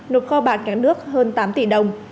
nụ kho bản ngắn nước hơn tám tỷ đồng